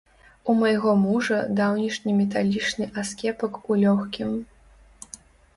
У майго мужа даўнішні металічны аскепак ў лёгкім.